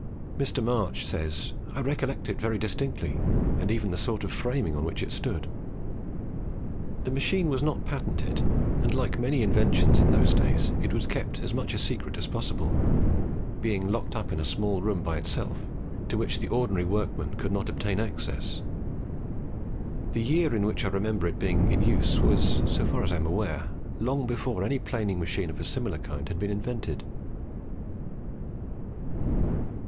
Mr. March says, "I recollect it very distinctly, and even the sort of framing on which it stood. The machine was not patented, and like many inventions in those days, it was kept as much a secret as possible, being locked up in a small room by itself, to which the ordinary workmen could not obtain access. The year in which I remember it being in use was, so far as I am aware, long before any planing machine of a similar kind had been invented."